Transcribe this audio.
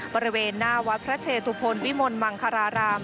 บริเวณหน้าวัดพระเชตุพลวิมลมังคาราราม